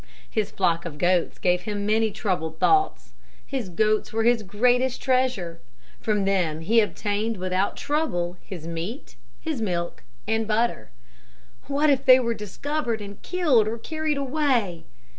His flock of goats gave him many troubled thoughts. His goats were his greatest treasure. From them he obtained without trouble his meat, his milk and butter. "What if they were discovered and killed or carried away?"